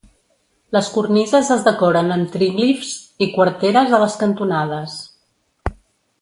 Les cornises es decoren amb tríglifs i quarteres a les cantonades.